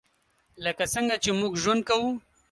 لکه څنګه چې موږ ژوند کوو .